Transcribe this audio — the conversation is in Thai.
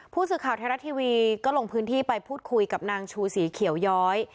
ผู้สื่อข่าวไทยรัฐทีวีก็ลงพื้นที่ไปพูดคุยกับนางชูสีเขียวย้อย